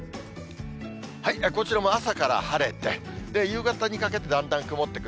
こちらも朝から晴れて、夕方にかけてだんだん曇ってくる。